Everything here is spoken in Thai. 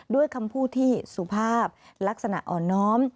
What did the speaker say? ด้วยคำพูดที่สุภาพลักษณะอ่อนน้อม